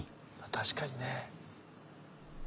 確かにね。